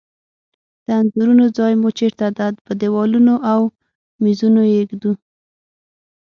د انځورونو ځای مو چیرته ده؟ په دیوالونو او میزونو یی ایږدو